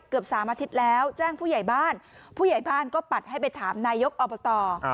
สามอาทิตย์แล้วแจ้งผู้ใหญ่บ้านผู้ใหญ่บ้านก็ปัดให้ไปถามนายกอบต